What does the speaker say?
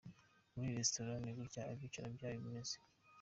Muri restora ni gutya ibyicaro byayo bimeze.